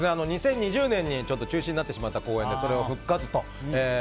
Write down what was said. ２０２０年に中止になってしまった公演でそれが復活と。